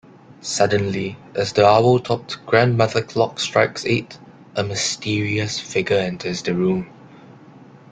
Suddenly, as the owl-topped grandmother clock strikes eight, a mysterious figure enters the room.